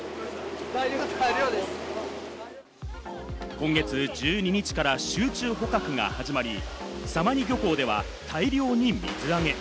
今月１２日から集中捕獲が始まり、様似漁港では大量に水揚げ。